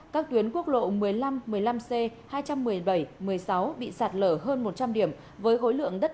các tuyến quốc lộ một mươi năm một mươi năm c hai trăm một mươi bảy một mươi sáu bị sạt lở hơn một trăm linh điểm